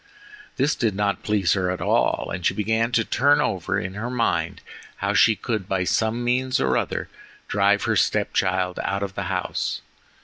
This did not please her at all, and she began to turn over in her mind how she could, by some means or other, drive her step child out of the house.